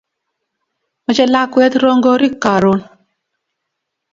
Mache lakwet rongorik karun